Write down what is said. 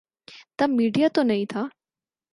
تب میڈیا تو نہیں تھا۔